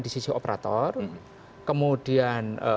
di sisi operator kemudian